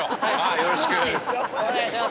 よろしくお願いします